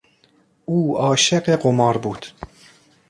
او عاشق قمار بود.